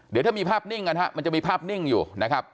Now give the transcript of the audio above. เดี๋ยวถ้ามีภาพนิ่งกันฮะมันจะมีภาพนิ่งอยู่นะครับ